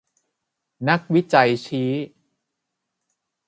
นักวิจัยชี้